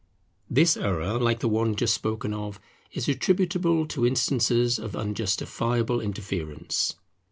This error, like the one just spoken of, is attributable to instances of unjustifiable interference.